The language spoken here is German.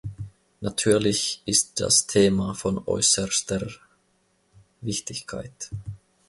Natürlich ist das Thema von äußerster Wichtigkeit.